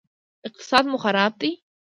اقتصاد مو خراب دی